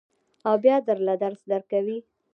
او بیا در له درس درکوي.